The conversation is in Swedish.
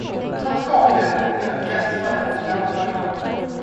Han skakade på huvudet, gäspade och slöt ögonen.